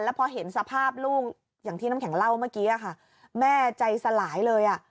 พอเห็นสภาพลูกอย่างที่น้ำแข็งเล่าเมื่อกี้ค่ะแม่ใจสลายเลยอ่ะ